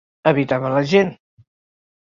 Evitava la gent.